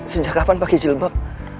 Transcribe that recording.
sejak kapan pakai jilbab